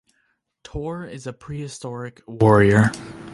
Tor is a prehistoric warrior.